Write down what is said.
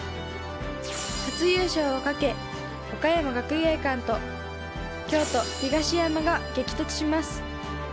初優勝を懸け岡山学芸館と、京都・東山が激突します。